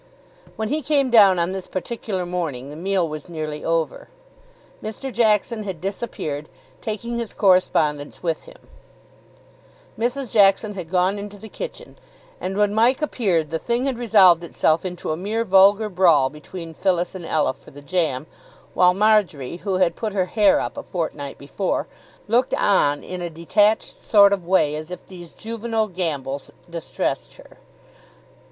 When he came down on this particular morning, the meal was nearly over. Mr. Jackson had disappeared, taking his correspondence with him; Mrs. Jackson had gone into the kitchen, and when Mike appeared the thing had resolved itself into a mere vulgar brawl between Phyllis and Ella for the jam, while Marjory, who had put her hair up a fortnight before, looked on in a detached sort of way, as if these juvenile gambols distressed her.